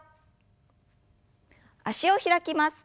脚を開きます。